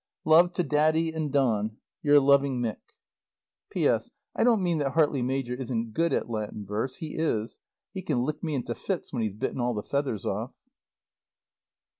Love to Daddy and Don. Your loving MICK. P.S. I don't mean that Hartley major isn't good at Latin verse. He is. He can lick me into fits when he's bitten all the feathers off.